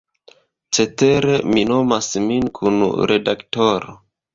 Cetere mi nomas min "kun-redaktoro".